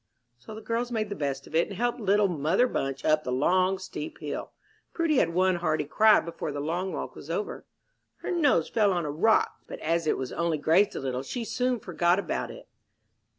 So the girls made the best of it, and helped little "Mother Bunch" up the long, steep hill. Prudy had one hearty cry before the long walk was over. "Her nose fell on a rock," she said; but as it was only grazed a little, she soon forgot about it.